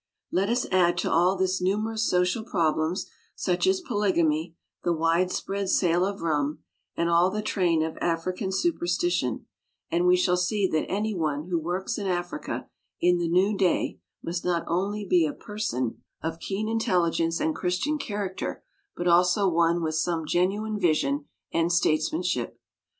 Let us add to all this numerous social problems, such as polygamy, the widespread sale of rum, and all the train of African superstition, and we shall see that any one who works in Africa in the new day must not only be a person of 56 WOMEN OF ACHIEVEMENT keen intelligence and Christian character, but also one with some genuine vision and statesmanship.